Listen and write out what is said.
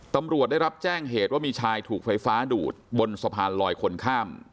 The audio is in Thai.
ตำรวจได้รับแจ้งเหตุว่ามีชายถูกไฟฟ้าดูดบนสะพานลอยคนข้าม